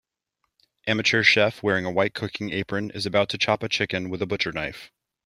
Amateur chef wearing a white cooking apron is about to chop a chicken with a butcher knife.